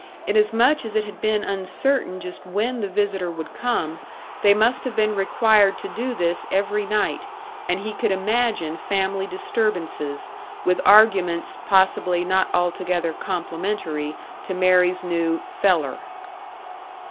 Inasmuch as it had been uncertain just when the visitor would come, they must have been required to do this every night, and he could imagine family disturbances, with arguments possibly not altogether complimentary to Mary's new "feller."